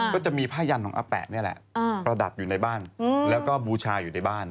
ก็จะมีผ้ายันของอาแปะนี่แหละประดับอยู่ในบ้านแล้วก็บูชาอยู่ในบ้าน